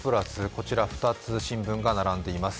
こちら２つ、新聞が並んでいます。